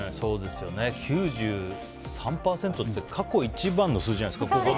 ９３％って過去一番の数字じゃないですか。